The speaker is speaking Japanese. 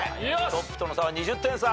トップとの差は２０点差。